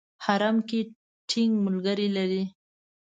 حرم کې ټینګ ملګري لري.